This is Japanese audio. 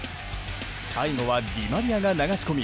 最後はディマリアが流し込み